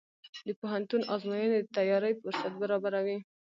د پوهنتون ازموینې د تیاری فرصت برابروي.